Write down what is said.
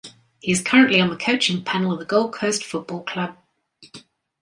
He is currently on the coaching panel of the Gold Coast Football Club.